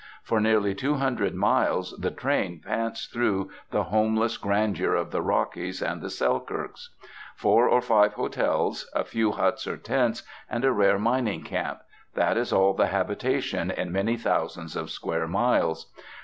For nearly two hundred miles the train pants through the homeless grandeur of the Rockies and the Selkirks. Four or five hotels, a few huts or tents, and a rare mining camp that is all the habitation in many thousands of square miles.